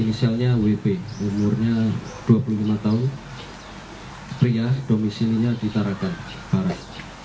inisialnya wp umurnya dua puluh lima tahun pria domisilinya di tarakan barat